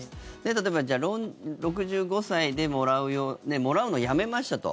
例えば６５歳でもらうのやめましたと。